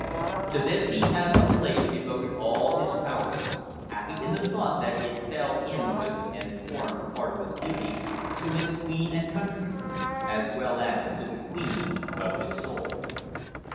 To this he had of late devoted all his powers, happy in the thought that it fell in with and formed part of his duty, to his Queen and country, as well as to the "Queen of his soul."